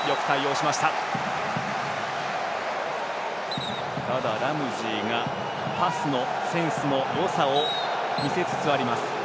ただ、ラムジーがパスのセンスのよさを見せつつあります。